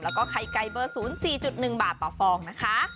แล้วก็ไข่ไก่เบอร์๐๔๑บาทต่อฟองนะคะ